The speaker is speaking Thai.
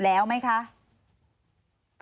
ถ้าเกิดอะไรขึ้นนะครับ